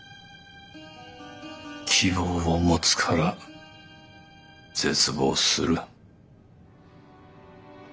希望を持つから絶望する。